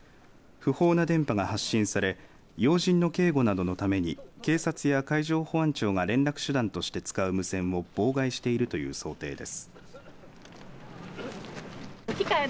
不法な電波が発信され要人の警護などのために警察や海上保安庁が連絡手段として使う無線を妨害しているという想定です。